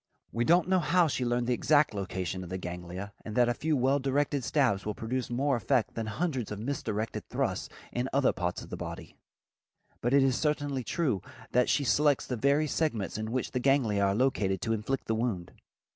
We don't know how she learned the exact location of the ganglia and that a few well directed stabs will produce more effect than hundreds of misdirected thrusts in other parts of the body, but it is certainly true that she selects the very segments in which the ganglia are located to inflict the wound.